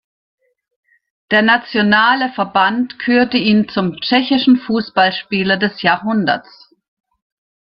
Der nationale Verband kürte ihn zum „Tschechischen Fußballspieler des Jahrhunderts“.